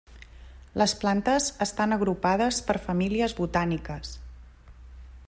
Les plantes estan agrupades per famílies botàniques.